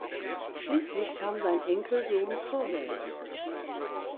Schließlich kam sein Enkelsohn zur Welt.